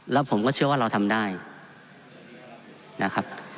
แล้วผมก็เชื่อว่าเราทำได้นะครับ